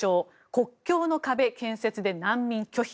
国境の壁建設で難民拒否。